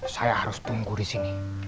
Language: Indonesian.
saya harus tunggu disini